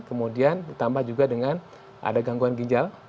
kemudian ditambah juga dengan ada gangguan ginjal